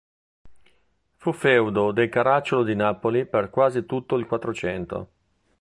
Fu feudo dei Caracciolo di Napoli per quasi tutto il Quattrocento.